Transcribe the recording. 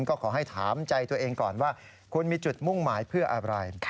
ก็ขอให้ถามใจตัวเองก่อนว่าคุณมีจุดมุ่งหมายเพื่ออะไร